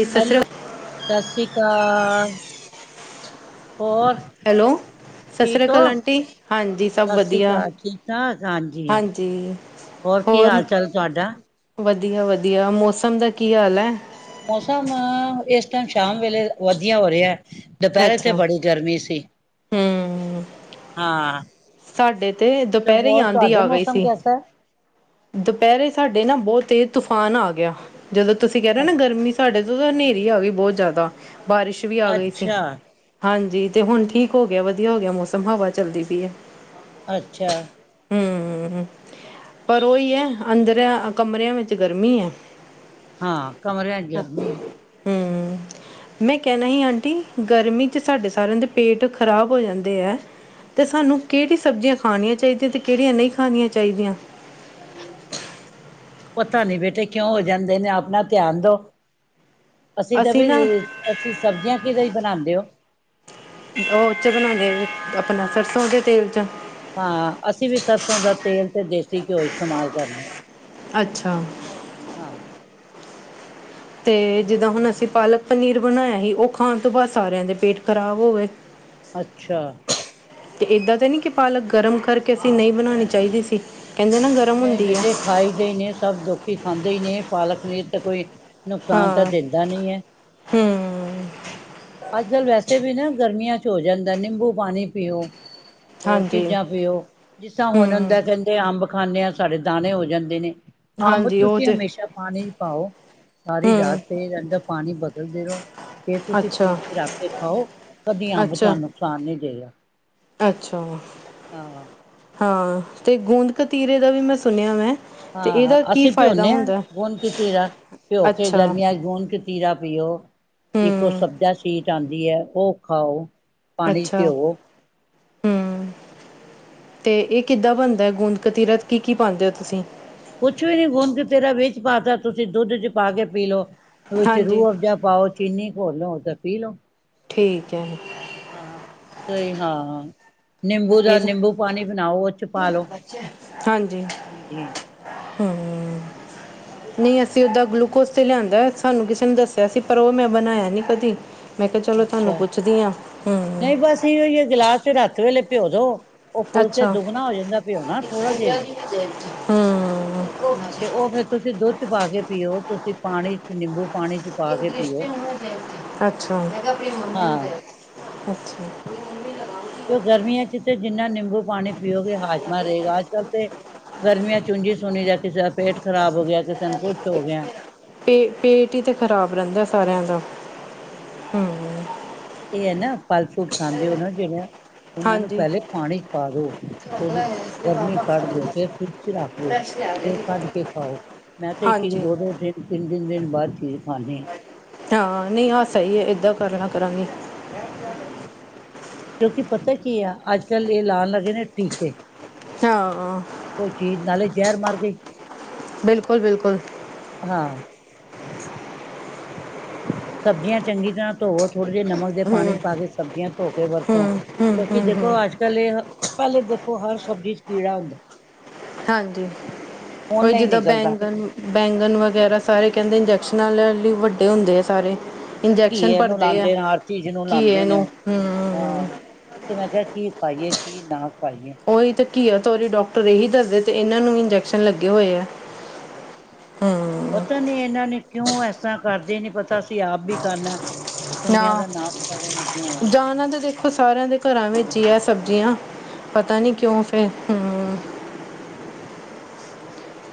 ਜੀ ਸਤਿ ਸ਼੍ਰੀ ਹੈਲੋ, ਅਕਾਲ ਸਤਿ ਸ਼੍ਰੀ ਅਕਾਲ। ਹੋਰ! ਹੈਲੋ! ਸਸ ਸ੍ਰੀ ਠੀਕ ਹੋ ਅਕਾਲ ਅੰਟੀ। ਹਾਂਜੀ, ਸਭ ਸਤਿ ਸ੍ਰੀ ਵਧੀਆ, ਅਕਾਲ ਠੀਕ ਠਾਕ ਹਾਂਜੀ। ਹੋਰ ਕੀ ਹਾਲ ਚਾਲ ਤੁਹਾਡਾ? ਵਧੀਆ, ਵਧੀਆ ਮੌਸਮ ਦਾ ਕੀ ਹਾਲ ਐ? ਮੌਸਮ ਇਸ ਟਾਈਮ ਸ਼ਾਮ ਵੇਲੇ ਵਧੀਆ ਹੋ ਰਿਹਾ, ਦੁਪਹਿਰੇ ਤੇ ਅੱਛਾ ਬੜੀ ਗਰਮੀ ਸੀ। ਹਮ ਹਾਂ, ਸਾਡੇ ਤੇ ਦੁਪਹਿਰੇ ਹੀ ਹੋਰ ਆਂਦੀ ਤੁਹਾਡੇ ਆ ਗਈ ਮੌਸਮ ਸੀ ਕੈਸਾ ਐ? ਦੁਪਹਿਰੇ ਸਾਡੇ ਨਾ ਬਹੁਤ ਤੇਜ਼ ਤੂਫਾਨ ਆ ਗਿਆ। ਜਦੋਂ ਤੁਸੀਂ ਕਹਿ ਰਹੇ ਹੋ ਨਾ ਗਰਮੀ ਸਾਡੇ ਤੋਂ ਤਾਂ ਹਨੇਰੀ ਆ ਗਈ ਬਹੁਤ ਜ਼ਿਆਦਾ। ਬਾਰਿਸ਼ ਵੀ ਆ ਗਈ ਸੀ। ਅੱਛਾ ਹਾਂਜੀ ਤੇ ਹੁਣ ਠੀਕ ਹੋ ਗਿਆ, ਵਧੀਆ ਹੋ ਗਿਆ ਮੌਸਮ, ਹਵਾ ਚੱਲਦੀ ਪਈ ਐ। ਅੱਛਾ! ਹੂੰ, ਹੂ। ਪਰ ਉਹੀ ਏ, ਅੰਦਰੇ ਕਮਰਿਆਂ ਵੇਚ ਗਰਮੀ ਏ। ਹਾਂ ਕਮਰਿਆਂ ਚ ਗਰਮੀ ਹੈ [unintelligible] ਹੂੰ। ਮੈਂ ਕਹਿਨਾ ਸੀ ਆਂਟੀ ਗਰਮੀ ਚ ਸਾਡੇ ਸਾਰਿਆਂ ਦੇ ਪੇਟ ਖ਼ਰਾਬ ਹੋ ਜਾਂਦੇ ਏ। ਤੇ ਸਾਨੂੰ ਕਿਹੜੀ ਸਬਜ਼ੀਆਂ ਖਣੀਆਂ ਚਾਹੀਦੀਆਂ, ਤੇ ਕਿਹੜੀਆਂ ਨੀ ਖਣੀਆਂ ਚਾਹੀਦੀਆਂ। [inaudible] ਪਤਾ ਨੀ ਬੇਟੇ ਕਿਉਂ ਹੋ ਜਾਂਦੇ ਨੇ ਆਪਨਾ ਧਿਆਨ ਦੋ, ਅਸੀਂ ਤਾਂ ਬੀ ਅਸੀਂ ਸਬਜ਼ੀਆਂ ਕਿਹਦੇ ਹੀ ਬਣਾਉਂਦੇ ਹੋ। ਡਰੋ ਚ ਬਨਾਦੇ ਆਪਨਾ ਸਰਸੋਂ ਦੇ ਤੇਲ ਚ ਹਾਂ, ਅਸੀਂ ਵੀ ਸਰਸੋਂ ਦਾ ਤੇਲ ਤੇ ਦੇਸੀ ਘਿਓ ਇਸਤੇਮਾਲ ਕਰਨੇਆ। ਅੱਛਾ। ਹਾਂ। ਤੇ ਜਿੱਦਾਂ ਹੁਨ ਅਸੀਂ ਪਾਲਕ ਪਨੀਰ ਬਨਾਇਆ ਸੀ, ਓ ਖਾਨ ਤੋਂ ਬਾਅਦ ਸਾਰਿਆਂ ਦੇ ਪੇਟ ਖ਼ਰਾਬ ਹੋਗੇ। [inaudible] ਅੱਛਾ। ਤੇ ਏਦਾਂ ਤਾਂ ਨੀ ਕਿ ਪਾਲਕ ਗਰਮ ਕਰਕੇ ਅਸੀਂ ਨੀ ਬਨਾਨੀ ਚਾਹੀਦੀ ਸੀ, ਕਹਿੰਦੇ ਨਾ ਗਰਮ ਨੀ ਹੁੰਦੀ ਹੈ ਬੇਟੇ ਖਾਈ ਦੇਨੇ ਸਭ ਦੋਖੀ ਖਾਂਦੇ ਹੀ ਨੇ ਪਾਲਕ ਪਨੀਰ ਤੇ ਕੋਈ ਨੁਕਸਾਨ ਤਾਂ ਹਾਂ ਦਿੰਦਾ ਨੀ ਏ। ਹੂੰ ਅੱਜ-ਕੱਲ੍ਹ ਵੈਸੇ ਵੀ ਨਾ ਗਰਮੀਆਂ ਚ ਹੋ ਜਾਂਦੇ, ਨਿੰਬੂ ਪਾਨੀ ਪੀਓ। ਹੋਰ ਹਾਂਜੀ ਚੀਜ਼ਾਂ ਪੀਓ ਜਿਸ ਤਾਂ ਹੁਨ ਹੂੰ ਹੁੰਦੇ ਕਹਿੰਦੇ ਅੰਬ ਖਾਂਨੇ ਆ, ਸਾਡੇ ਦਾਨੇ ਹੋ ਜਾਂਦੇ ਨੇ ਅੰਬ ਹਾਂਜੀ ਉਹ ਤੁਸੀਂ ਤਾਂ ਹਮੇਸ਼ਾ ਪਾਨੀ ਚ ਪਾਓ, ਸਾਰੀ ਹੂੰ ਰਾਤ ਪੇ ਰਹੇਦੋ ਪਾਨੀ ਬਦਲਦੇ ਰਹੋ, ਜੇ ਤੁਸੀਂ ਅੱਛਾ ਫਰਿੱਜ ਚ ਰੱਖਕੇ ਖਾਓ ਕਦੀ ਅੰਬ ਅੱਛਾ ਤੁਹਾਨੂੰ ਸ਼ੂਨ ਨੀ ਦੇਗਾ। ਅੱਛਾ। ਹਾਂ। ਹਾਂ ਤੇ ਗੂੰਦ ਕਤੀਰੇ ਦਾ ਵੀ ਮੈਂ ਸੁਨਿਆ ਵੈਂ। ਹਾਂ, ਅਸੀਂ ਭਿਉਂਨੇ ਆ, ਗੁੰਦ ਕਿਤੀਰਾ, ਭਿਂਓ ਕੇ ਅੱਛਾ ਗਰਮੀਆਂ'ਚ ਗੁ ਤੀਰਾ ਪੀਓ, ਇੱਕ ਉਹ ਹੂੰ ਸਬਜ਼ਾ ਸ਼ੀਟ ਆਂਦੀ ਐ, ਉਹ ਖਾਓ। ਪਾਣੀ ਚ ਅੱਛਾ, ਭਿਓ ਹੂੰ ਤੇ ਇਹ ਕਿੱਦਾਂ ਬਣਦਾ ਏ, ਗੂੰਦ ਕਤੀਰਾ ਕੀ-ਕੀ ਪਾਂਦੇ ਓ ਤੁਸੀ? ਕੁਛ ਵੀ ਨੀ ਗੁਣ ਕਤੀਰਾ ਵਿੱਚ ਪਾਤਾ, ਤੁਸੀਂ ਦੁੱਧ'ਚ ਪਾਕੇ ਪੀਲੋ। ਵਿੱਚ ਹਾਂਜੀ ਰੂਹ ਅਫਜਾ ਪਾਓ, ਚੀਨੀ ਘੋਲੋ ਤੇ ਪੀਲੋ। ਠੀਕ ਐ, ਜ ਹਾਂ, ਸਈ ਹਾਂ ਨਿੰਬੂ ਦਾ ਇਹ ਨਿੰਬੂ ਪਾਨੀ ਬਨਾਓ ਉ ਚ ਪਾਾਲੋ ਹਾਂਜੀ ਹਾਂਜੀ। ਹੂੰ। ਨਈ, ਅਸੀਂ ਉੱਦਾਂ ਗਲੂਕੋਸ 'ਤੇ ਲਿਆਂਦਾ ਸਾਨੂੰ ਕਿਸੇ ਨੇ ਦੱਸਿਆ ਸੀ ਪਰ ਓਹ ਮੈਂ ਬਣਾਇਆ ਨੀ ਕਦੀ ਮੈਂ ਕਿਆ ਚਲੋ ਤੁਹਾਨੂੰ ਪੁੱਛਨੀ ਆ। ਨਈ ਬਸ ਇਹੀਓ ਯੇ ਗਲਾਸ ਚ ਰੱਥ ਵੇਲੇ ਪਓ ਦੋ। ਓਹ ਫੁਲ ਕੇ ਦੁੱਗਨਾ ਹੋ ਜਾਂਦਾ, ਪਯੋਨਾ ਥੋੜਾ ਜਾ ਹੀ। ਹਾਂ। ਹਾਂ ਤੇ ਓਹ ਫੇਰ ਤੁਸੀਂ ਦੁੱਧ ਚ ਪਾ ਕੇ ਪੀਓ ਤੁਸੀਂ ਪਾਣੀ ਚ ਨਿੰਬੂ ਪਾਣੀ ਚ। ਪਾ ਕੇ ਪੀਓ ਅੱਛਾ, ਹਾਂ ਅਛਾ। ਕਿ ਗਰਮੀਆਂ ਚ ਤੇ ਜਿੰਨਾ ਨਿੰਬੂ ਪਾਣੀ ਪੀਓਗੇ ਹਾਜ਼ਮਾ ਰਹੇਗਾ ਅੱਜ ਕੱਲ੍ਹ ਤੇ ਗਰਮੀਆਂ ਚ ਓਣਜੀ ਸੁਨਿ ਦਾ ਕਿਸੇ ਦਾ ਪੇਟ ਖ਼ਰਾਬ ਹੋ ਗਿਆ ਕਿਸੇ ਨੂੰ ਕੁਛ ਹੋ ਗਿਆ। ਪੇ ਪੇਟ ਹੀ ਤੇ ਖ਼ਰਾਬ ਰਹਿੰਦਾ ਸਾਰਿਆਂ ਦਾ ਹੂੰ। ਹਮ ਇਹ ਹੈ ਨਾ ਫਲ-ਫਰੂਟ ਖਾਂਦੇ ਹੋ ਨਾ ਜਿਹੜਾ ਉਹਨਾਂ ਨੂੰ ਹਾਂਜੀ ਪਹਿਲੇ ਪਾਣੀ ਪਾ ਦੋ, ਉਹਦੀ ਅਗਲਾ ਹੈ ਇਸ ਗਰਮੀ ਪਾਪਾ ਕਢ ਖਾਲੀ ਦੇਓ ਜੇ ਫਿਰ ਰੱਖ ਦਿਓ, ਫਰੈਸ਼ ਲਿਆ ਦੇ ਫਿਰ ਦੇ ਕਡ ਕੇ ਕੱਪੜੇ ਖਾਓ ਮੈਂ ਤੇ ਇੱਕ-ਇੱਕ, ਹਾਂਜੀ ਦੋ-ਦੋ ਦਿਨ ਤਿੰਨ-ਤਿੰਨ ਦਿਨ ਬਾਦ ਚੀਜ਼ ਖਾਂਨੀ ਹਾਂ। ਹਾਂ, ਨੀ ਆਹ ਸਹੀ ਹੈ ਏਦਾਂ ਕਰਲਿਆ ਕਰਾਂਗੇ। ਹੂੰ, ਕਿਉਂਕਿ ਪਤਾ ਕੀ ਆ ਅੱਜ-ਕੱਲ ਇਹ ਲਾਣ ਲੱਗੇ ਨੇ ਟੀਕੇ। ਹਾਂ ਕੋਈ ਚੀਜ਼, ਨਾਲੇ ਜ਼ਹਿਰ ਮਰ ਗਈ। ਬਿਲਕੁਲ ਬਿਲਕੁਲ ਹਾਂ। ਸਬਜ਼ੀਆਂ ਚੰਗੀ ਤਰ੍ਹਾਂ ਧੋਵੋ, ਥੋੜੇ ਦੇਰ ਨਮਕ ਦੇ ਪਾਣੀ ਚ ਪਾ ਕੇ ਸਬਜ਼ੀਆਂ ਧੋ ਕੇ ਵਰਤੋਂ। ਹਮ ਹਮ ਕਿਉਂਕਿ, ਹਮ ਹਮ ਦੇਖੋ ਅੱਜ-ਕੱਲ ਇਹ, ਪਹਿਲੇ ਦੇਖੋ ਹਰ ਸਬਜ਼ੀ ਚ ਕੀੜਾ ਹੁੰਦਾ। ਹਾਂਜੀ, ਹੁਣ ਉਈ ਨਹੀਂ ਜਿੱਦਾਂ ਨਿਕਲਦਾ ਬੈਂਗਨ ਬੈਂਗਨ ਵਗੈਰਾ ਸਾਰੇ ਕਹਿੰਦੇ ਇੰਜੈਕਸ਼ਨਾਂ ਨਾਲ ਹੀ ਵੱਡੇ ਹੁੰਦੇ ਆ ਸਾਰੇ। ਇੰਜੈਕਸ਼ਨ ਘੀਏ ਨੂੰ ਭਰਦੇ ਆ, ਲਾਉਂਦੇ ਨੇ ਹਰ ਚੀਜ਼ ਨੂੰ ਘੀਏ ਨੂੰ ਹੂੰ। ਉਹ ਤੇ ਮੈਂ ਕਿਹਾ ਕੀ ਖਾਈਏ ਕੀ ਨਾ ਖਾਈਏ। ਉਹੀ ਤਾਂ ਘੀਆ, ਤੋਰੀ ਡਾਕਟਰ ਇਹੀ ਦੱਸਦੇ, ਤੇ ਇਹਨਾਂ ਨੂੰ ਇੰਜੈਕਸ਼ਨ ਲੱਗੇ ਹੋਏ ਆ। ਹਾਂ, ਹੂੰ ਪਤਾ ਨੀ ਇਹਨਾਂ ਨੇ ਕਿਉਂ ਐਸਾ ਕਰਦੇ ਨੀ ਪਤਾ ਤੁਸੀਂ ਆਪ ਵੀ ਖਾਣਾ, ਜੋ ਦੁਨੀਆਂ ਦਾ ਨਾਸ਼ ਕਰਨ ਲੱਗੇ ਹੋਏ ਆਂ। ਖਾਣਾ ਤਾਂ ਦੇਖੋ ਸਾਰਿਆਂ ਦੇ ਘਰਾਂ ਵਿੱਚ ਹੀ ਹੈ ਸਬਜ਼ੀਆਂ, ਪਤਾ ਹਾਂ ਨੀ ਕਿਉਂ ਫਿਰ ਹੂੰ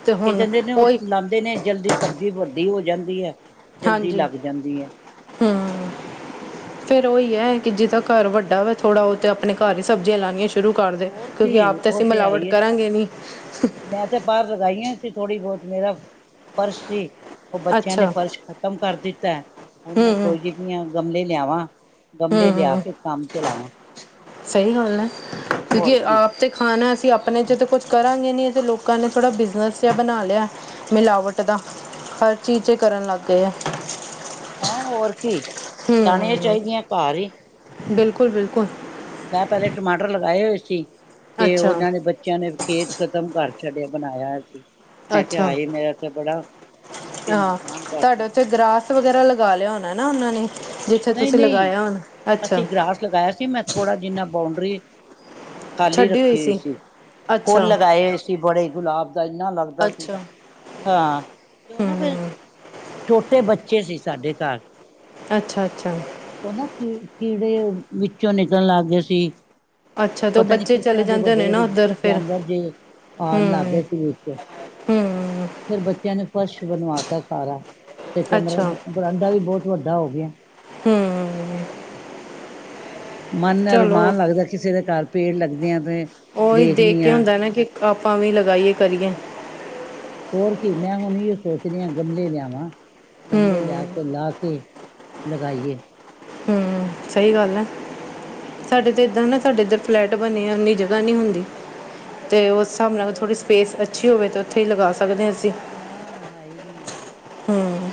ਤੇ ਏ ਹੁਣ ਕਹਿੰਦੇ ਨੇ, ਉਹ ਉਹੀ ਲਾਦੇ ਨੇ ਜਲਦੀ ਸਬਜ਼ੀ ਵੱਡੀ ਹੋ ਜਾਂਦੀ ਹੈ ਜਲਦੀ ਹਾਂਜੀ ਲੱਗ ਜਾਂਦੀ ਹੈ। ਹੂੰ। ਹਾਂ ਫੇਰ ਉਹੀ ਹੈ ਕਿ ਜਿਹਦਾ ਘਰ ਵੱਡਾ ਹੋਵੇ ਥੋੜਾ, ਉਹ ਤੇ ਆਪਣੇ ਘਰ ਹੀ ਸਬਜ਼ੀਆਂ ਲਾਣੀਆਂ ਸੁ ਸ਼ੁਰੂ ਕਰਦੇ, ਹੋਰ ਕਿਉਂਕਿ ਕੀ ਆਪ ਤਾਂ ਉਹ ਅਸੀਂ ਤੇ ਮਿਲਾਵਟ ਆਈ ਹੈ ਕਰਾਂਗੇ ਨੀ। ਮੈਂ ਤੇ ਬਾਰ ਲਗਾਈਆਂ ਸੀ ਥੋੜ੍ਹੀ ਬਹੁਤ, ਮੇਰਾ ਫਰਸ਼ ਸੀ। ਉ ਬੱਚਿਆਂ ਨੇ ਅੱਛਾ ਫ਼ਰਸ਼ ਖਤਮ ਕਰ ਦਿੱਤਾ, ਹੁਣ ਹੂੰ ਮੈਂ ਸੋਚਦੀ ਪਈ ਆਂ ਗਮਲੇ ਲਿਆਵਾਂ। ਹੂੰ ਗਮਲੇ ਲਿਆ ਹੂੰ ਕੇ ਕੰਮ ਚਲਾਵਾਂ। ਸਹੀ ਗੱਲ ਹੈ, ਹੋਰ ਕਿਉਂਕਿ ਕੀ ਆਪ ਤੇ ਖਾਣਾ, ਅਸੀਂ ਆਪਣੇ 'ਚ ਤਾਂ ਕੁਛ ਕਰਾਂਗੇ ਨੀ ਤੇ ਲੋਕਾਂ ਨੇ ਥੋੜ੍ਹਾ ਬਿਜ਼ਨਸ ਜਿਹਾ ਬਣਾ ਲਿਆ ਮਿਲਾਵਟ ਦਾ, ਹਰ ਚੀਜ਼ ਚ ਕਰਨ ਲੱਗ ਗਏ ਆ। ਹੈਂ, ਹੋਰ ਕੀ ਲਾਣੀਆਂ ਹੂੰ ਚਾਹੀਦੀਆਂ ਘਰ ਹੀ ਬਿਲਕੁਲ -ਬਿਲਕੁਲ! ਮੈਂ ਪਹਿਲੇ ਟਮਾਟਰ ਲਗਾਏ ਹੋਏ ਸੀ, ਤੇ ਅੱਛਾ ਉਹਨਾਂ ਨੇ ਬੱਚਿਆਂ ਨੇ ਖੇਤ ਖਤਮ ਕਰ ਛੱਡਿਆ, ਬਣਾਇਆ ਸੀ। ਮੈਂ ਕਿਹਾ, ਅੱਛਾ ਹਾਏ ਮੇਰਾ ਤੇ ਬੜਾ ਤੁਸੀਂ ਨੁਕਸਾਨ ਕਰਤਾ। ਤੇ ਗ੍ਰਾਸ ਵਗੈਰਾ ਲਗਾ ਲਿਆ ਹੋਣਾ ਨਾ ਉਹਨਾਂ ਨੇ ਜਿੱਥੇ ਤੁਸੀਂ ਨਹੀਂ-ਨਹੀਂ, ਲਗਾਇਆ ਹੋਣਾ ਅੱਛਾ ਅਸੀਂ ਗ੍ਰਾਸ ਲਗਾਇਆ ਸੀ, ਮੈਂ ਥੋੜ੍ਹਾ ਜਿੰਨਾ ਬਾਊਂਡਰੀ ਖਾਲੀ ਰੱਖੀ ਹੋਈ ਸੀ, ਫੁੱਲ ਅੱਛਾ ਲਗਾਏ ਹੋਏ ਸੀ। ਸੀ, ਬੜੇ ਗੁਲਾਬ ਦਾ ਇੰਨਾ ਲੱਗਦਾ ਸੀ ਅੱਛਾ ਹਾਂ ਕਿ ਹੂੰ ਨਾ ਫਿਰ ਛੋਟੇ ਬੱਚੇ ਸੀ ਸਾਡੇ ਘਰ ਅੱਛਾ-ਅੱਛਾ! ਉਹ ਨਾ ਕੀ ਕੀੜੇ ਵਿੱਚੋਂ ਨਿਕਲਣ ਲੱਗ ਗਏ ਸੀ। ਅੱਛਾ ਤੇ ਉਹ ਪਤਾ ਨੀ ਬੱਚੇ ਕਿਸ ਚਲੇ ਤਰ੍ਹਾਂ ਦੇ ਜਾਂਦੇ ਹੋਣੇ ਵੱਡੇ-ਵੱਡੇ ਨਾ ਉੱਧਰ ਫਿਰ ਜਾਨਵਰ ਜੇ ਆਉਣ ਲੱਗ ਹੂੰ ਗਏ ਸੀ ਵਿੱਚ ਹੂੰ, ਫਿਰ ਬੱਚਿਆਂ ਨੇ ਫਰਸ਼ ਬਣਵਾਤਾ ਸਾਰਾ ਤੇ ਕਮਰਾ ਅੱਛਾ ਬਾਰਾਂਡਾ ਵੀ ਬਹੁਤ ਵੱਡਾ ਹੋ ਗਿਆ। ਹੂੰ, ਮਨ ਚਲੋ ਅਰਮਾਨ ਲੱਗਦਾ ਕਿਸੇ ਦੇ ਘਰ ਪੇੜ ਲੱਗਦੇ ਆ ਤੇ ੳਹੀ, ਦੇਖ ਦੇਖਣੀ ਕੇ ਆ ਹੁੰਦਾ ਨਾ ਕਿ ਆਪਾਂ ਵੀ ਲਗਾਈਏ, ਕਰੀਏ। ਹੋਰ ਕੀ ਮੈਂ ਹੁਨ ਏਹੀੳ ਸੋਚਦੀ ਹਾਂ, ਗਮਲੇ ਲਿਆਵਾਂ, ਗਮਲੇ ਲਿਆ ਹੂੰ, ਕੇ ਲਾ ਕੇ ਲਗਾਈਏ। ਹੂੰ, ਸਹੀ ਗੱਲ ਏ, ਹਾਂ ਸਾਡੇ ਤੇ ਏਦਾਂ ਨਾ ਸਾਡੇ ਏਧਰ ਫਲੈਟ ਬਨੇਆ ਉਨੀ ਜਗਾ ਨੀ ਹੁੰਦੀ। ਤੇ, ਉਸ ਹਸਾਬ ਨਾਲ ਥੋੜੀ ਸਪੇਸ ਅੱਛੀ ਹੋਵੇ ਤਾਂ ੳਥੇ ਹੀ ਲਗਾ ਸਕਦੇ ਆ ਅਸੀ। ਹਾਂ ਹਾਈ ਜੀ ਏ। ਹੂੰ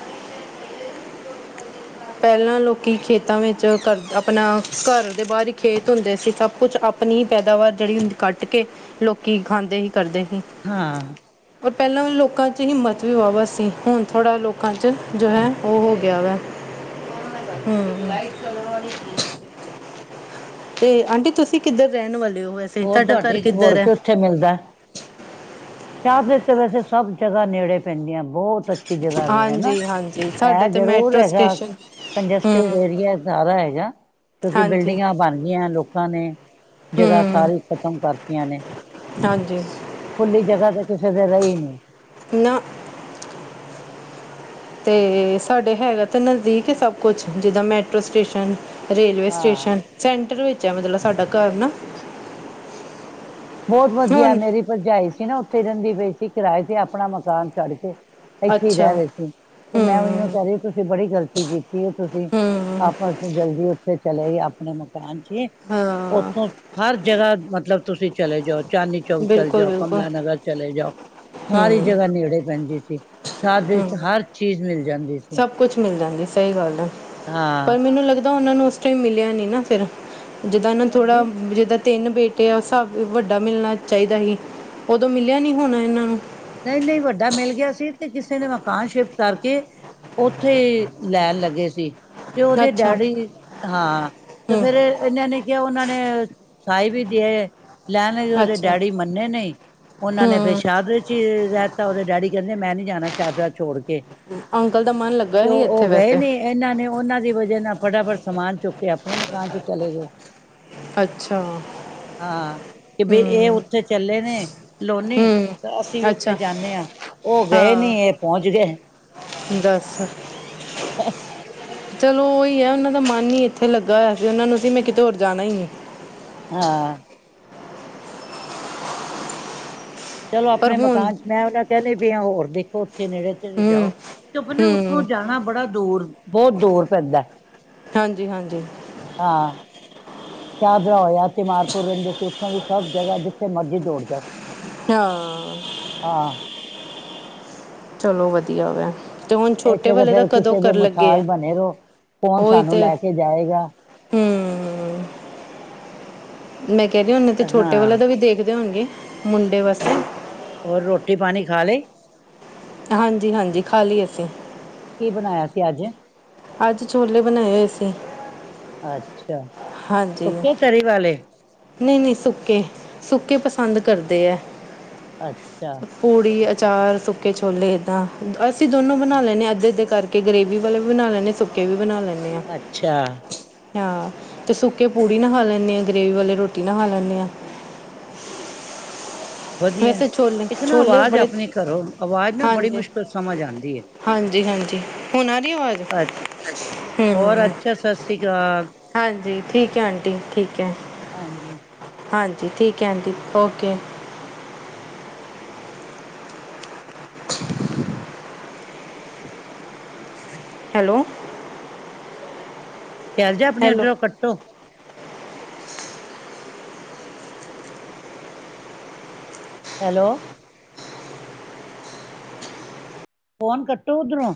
ਪੈਲਾਂ ਲੋਕੀ ਖੇਤਾਂ ਵਿੱਚ ਘਰ ਅਪਣਾ ਘਰ ਦੇ ਬਾਹਰ ਹੀ ਖੇਤ ਹੁੰਦੇ ਸੀ, ਸਭ ਕੁਛ ਅਪਨਾ ਅਪਨੀ ਪੈਦਾਵਾਰ ਜੇੜੀ ਹੁੰਦੀ ਕੱਟ ਕੇ ਲੋਕੀ ਖਾਂਦੇ ਹੀ ਕਰਦੇ ਹੀ। ਹਾਂ। ਪਰ ਪੈਲਾਂ ਲੋਕਾਂ ਚ ਹਿਮਤ ਵਾਵਾ ਸੀ, ਹੁਨ ਥੋੜਾ ਲੋਕਾਂ ਚ ਜੋ ਹੈ ੳਹ ਹੋ ਗਿਆ ਵੇ। ਹੂੰ, ਤੇ ਆਂਟੀ ਤੁਸੀ ਕਿੱਧਰ ਰਹਨ ਵਾਲੇ ੳ ਵੈਸੇ? ਤਾਡਾ ਘਰ ਕਿੱਧਰ ਏ? ੳਥੇ ਮਿਲਦਾ ਦੇ ਵਿੱਚ ਵੈਸੇ ਸਭ ਜਗਾ ਨੇੜੇ ਪੈਂਦੀਏ, ਬਹੁਤ ਅੱਛੀ ਜਗਾ ਵੇ ਹੈਨਾ। ਹਾਂਜੀ ਹਾਂਜੀ ਸਾਡਾ ਏ ਤੇ ਜ਼ਰੂਰ ਮੈਟਰੋ ਹੈਗਾ ਸਟੇਸ਼ਨ ਕੰਜਸਟਿਡ ਹੂੰ ਏਰੀਆ ਜਾਦਾ ਹੈਗਾ, ਕਿਉਂਕਿ ਹਾਂਜੀ ਬਿਲਡਿੰਗਾਂ ਬਨ ਗਈਆਂ ਲੋਕਾਂ ਨੇ ਜਗਾ ਹੂੰ ਸਾਰੀ ਖ਼ਤਮ ਕਰਤੀਆਂ ਨੇ। ਹਾਂਜੀ। ਖੁੱਲੀ ਜਗਾ ਤੇ ਕਿਸੇ ਦੇ ਰਈ ਨੀ। ਨਾ ਤੇ ਸਾਡੇ ਹੈਗਾ ਤਾਂ ਨਜਦੀਕ ਏ ਸਭ ਕੁਛ ਜਿੱਦਾ ਮੈਟਰੋ ਸਟੇਸ਼ਨ ਰੇਲਵੇ ਹਾਂ ਸਟੇਸ਼ਨ, ਸੈਂਟਰ ਵਿੱਚ ਏ ਮਤਲਬ ਸਾਡਾ ਘਰ ਨਾ। ਬੋਤ ਵਧੀਆ, ਹੁਣ ਮੇਰੀ ਪਰਜਾਈ ਸੀ ਨਾ ੳਥੇ ਰੈੰਦੀ ਪਈ ਸੀ ਕਿਰਾਏ ਤੇ, ਅਪਨਾ ਮਕਾਨ ਛਡ ਕੇ ਇੱਥੇ ਈ ਅੱਛਾ ਰਹ ਰਹੇ ਸੀ ਤੇ ਮੈਂ ੳਨੂੰ ਹੂੰ ਕੈ ਰਈ ਤੁਸੀ ਬੜੀ ਗਲਤੀ ਕੀਤੀ ਏ ਤੁਸੀ ਹੂੰ ਆਪਸ ਜਲਦੀ ੳਥੇ ਚਲੇ ਗਏ ਅਪਣੇ ਮਕਾਨ ਚੀ। ਹਾਂ ੳਥੋਂ ਹਰ ਜਗਾ ਮਤਲਬ ਤੁਸੀ ਚਲੇ ਜੋ ਚਾਂਦਨੀ ਚੌਕ ਚਲ ਬਿਲਕੁਲ ਜੋ, ਬਿਲਕੁਲ ਕਮਲਾ ਨਗਰ ਚਲੇ ਜਾਓ, ਸਾਰੀ ਹੂੰ ਜਗਾ ਨੇੜੇ ਪੈਂਦੀ ਸੀ। ਸਾ਼ਦਰੇ ਚ ਹੂੰ ਹਰ ਚੀਜ ਮਿਲ ਜਾਂਦੀ ਸੀ। ਸਭ ਕੁਛ ਮਿਲ ਜਾਂਦੀ ਸਹੀ ਗੱਲ ਏ, ਹਾਂ ਪਰ ਮੈਨੂੰ ਲੱਗਦਾ ੳਨਾਂ ਨੂੰ ੳਸ ਟਾਇਮ ਮਿਲਿਆ ਨਈ ਨਾ ਫੇਰ। ਜਿੱਦਾਂ ਨਾ ਥੋੜਾ ਹਾਂਜੀ ਜਿੱਦਾਂ ਤਿੰਨ ਬੇਟੇ ਆ ਸਭ ਵੱਡਾ ਮਿਲਨਾ ਚਾਹੀਦਾ ਸੀ ੳਦੋਂ ਮਿਲਿਆ ਨੀ ਹੋਨਾ ਏਨਾਂ ਨੂੰ ਤੇ ਨਈ ਨਈ ਵੱਡਾ ਮਿਲ ਗਿਆ ਸੀ ਤੇ ਕਿਸੇ ਨੇ ਮਕਾਨ ਸ਼ਿਫਟ ਕਰਕੇ ੳਥੇ ਲੈਨ ਲੱਗੇ ਸੀ ਤੇ ੳਦੇ ਅੱਛਾ ਡੈਡੀ ਹਾਂ ਤੇ ਹੂੰ ਫੇਰ ਏਨਾਂ ਨੇ ਕੈਆ ੳਨਾਂ ਨੇ ਸਾਈ ਵੀ ਦੇ ਆਏ ਲੈ ਲਈ ੳਦੇ ਅੱਛਾ ਡੈਡੀ ਮੰਨੇ ਨਈ ੳਨਾਂ ਨੇ ਫੇਰ ਹੂੰ ਸ਼ਾਦਰੇ ਚ ਰੈਤਾ ੳਦੇ ਡੈਡੀ ਕੈਂਦੇ ਮੈਂ ਨੀ ਜਾਨਾ ਸਾ਼ਦਰਾ ਛੋੜ ਕੇ। ਅੰਕਲ ਦਾ ਮਨ ਲੱਗਾ ਹੀ ਏਥੇ ਵੈਸੇ। ਏਨਾਂ ਨੇ ੳਨਾਂ ਦੀ ਵਜਾ ਨਾਲ ਫਟਾਫਟ ਸਮਾਨ ਚੁੱਕ ਕੇ ਅਪਨੇ ਮਕਾਨ ਚ ਚਲੇ ਗਏ। ਅੱਛਾ ਹਾਂ ਕੇ ਬੇ ਏ ਹੂੰ ੳਥੇ ਚਲੇੇ ਨੇ ਲੋਨੀ ਹੂੰ ਤਾਂ ਅਸੀ ਵੀ ੳਥੇ ਅੱਛਾ ਜਾਨੇ ਆ, ੳ ਗਏ ਨੀ ਹਾਂ ਏ ਪੋੰਚ ਗਏ। ਦੱਸ [inaudible] ਚਲੋ ੳਈ ਐ, ੳਨਾਂ ਦਾ ਮਨ ਈ ਏਥੇ ਲੱਗਾ ਹੋਇਆ ਸੀ ੳਨਾ ਨੂੰ ਸੀ ਮੈਂ ਕਿਤੇ ਹੋਰ ਜਾਨਾ ਈ ਨੀ। ਹਾਂ ਚਲੋ ਪਰ ਆਪਣੇ ਹੁਣ ਮਕਾਨ ਚ, ਮੈਂ ਉਹਨਾਂ ਕਹਿੰਦੀ ਪਈ ਹਾਂ ਹੋਰ ਦੇਖ ਉੱਥੇ ਨੇੜੇ ਤੇੜੇ ਜਾਓ, ਹੂੰ ਕਿਉਂਕੇ ਨਾ ਉੱਥੋਂ ਹੂੰ ਜਾਣਾ ਬੜਾ ਦੂਰ ਬਹੁਤ ਦੂਰ ਪੈਂਦਾ ਹਾਂਜੀ ਹਾਂਜੀ ਹਾਂ ਸਾਦਰਾ ਹੋਇਆ, ਅਸੀ ਮਾਰਪੁਰ ਰਹਿੰਦੇ ਸੀ ਉੱਥੋਂ ਵੀ ਸਭ ਜਗ੍ਹਾਹ ਜਿੱਥੇ ਮਰਜ਼ੀ ਦੋੜ ਜਾਓ ਹਾਂ ਹਾਂ ਚਲੋ ਵਧੀਆ ਵੈ ਤੇ ਹੁਣ ਛੋਟੇ ਇੱਥੇ ਤਾਂ ਵਾਲੇ ਦਾ ਫੇਰ ਕਦੋਂ ਕਿਸੇ ਦੇ ਕਰਨ ਲੱਗੇ ਆ, ਮੁਥਾਜ ਬਣੇ ਰਹੋ ਕੌਣ ਉਹੀ ਸਾਨੂੰ ਤੇ ਲੈ ਕੇ ਜਾਏਗਾ ਹੂ ਮੈਂ ਕਹਿ ਰਹੀ ਆਂ, ਹੁਣ ਤੇ ਛੋਟੇ ਵਾਲੇ ਹਾਂ ਦਾ ਵੀ ਦੇਖਦੇ ਹੋਣਗੇ ਮੁੰਡੇ ਵਾਸਤੇ ਹੋਰ ਰੋਟੀ ਪਾਣੀ ਖਾ ਲਈ ਹਾਂਜੀ ਹਾਂਜੀ ਖਾ ਲਈ ਅਸੀਂ ਕੀ ਬਣਾਇਆ ਸੀ ਅੱਜ ਅੱਜ ਛੋਲੇ ਬਣਾਏ ਹੋਏ ਸੀਂ ਅੱਛਾ ਹਾਂਜੀ ਸੁੱਕੇ ਤਰੀ ਵਾਲੇ ਨਹੀਂ ਨਹੀਂ ਸੁੱਕੇ, ਸੁੱਕੇ ਪਸੰਦ ਕਰਦੇ ਆ ਅੱਛਾ ਪੂੜੀ ਅਚਾਰ ਸੁੱਕੇ ਛੋਲੇ ਇੱਦਾਂ, ਅਸੀਂ ਦੋਨੋਂ ਹਾਂ ਬਣਾ ਲੈਂਨੇ ਆਂ, ਅੱਧੇ ਅੱਧੇ ਕਰਕੇ ਗਰੇੇਵੀ ਵਾਲੇ ਵੀ ਬਣਾ ਲੈਨੇ ਆਂ, ਸੁੱਕੇ ਵੀ ਬਣਾ ਲੈਨੇ ਆਂ ਅੱਛਾ ਹਾਂ ਤੇ ਸੁੱਕੇ ਪੂੜੀ ਨਾਲ ਖਾ ਲੈਂਨੇ ਆਂ, ਗ੍ਰੇਵੀ ਵਾਲੇ ਰੋਟੀ ਨਾ ਖਾ ਲੈਂਨੇ ਆਂ ਵਧੀਆ, ਵੈਸੇ ਛੋਲੇ ਇੱਕ ਨਾ ਛੋਲੇ ਆਵਾਜ਼ ਬੜੇ ਆਪਣੇ ਘਰੋਂ, ਆਵਾਜ਼ ਨਾ ਬੜੀ ਹਾਂਜੀ ਮੁਸ਼ਕਿਲ ਸਮਝ ਆਉਂਦੀ ਹੈ ਹਾਂਜੀ ਹਾਂਜੀ ਹੁਣ ਆ ਹੀ ਆਵਾਜ਼ ਅ ਹੋਰ ਹੂ ਅੱਛਾ ਸਤਿ ਸ੍ਰੀ ਅਕਾਲ ਹਾਂਜੀ ਠੀਕ ਹੈ ਆਂਟੀ ਠੀਕ ਹੈ ਹਾਂਜੀ ਹਾਂਜੀ ਠੀਕ ਹੈ ਆਂਜੀ ਓਕੇ ਹੈਲੋ ਸ਼ੈਲਜਾ ਆਪਣੇ ਹੈਲੋ ਉੱਧਰੋਂ ਕੱਟੋ ਹੈਲੋ ਫੋਨ ਕੱਟੋ ਉਧਰੋਂ